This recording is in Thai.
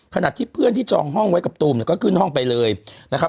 ขณะที่เพื่อนที่จองห้องไว้กับตูมเนี่ยก็ขึ้นห้องไปเลยนะครับ